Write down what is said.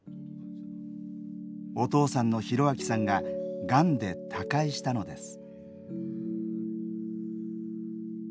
お父さんの浩章さんががんで他界したのです。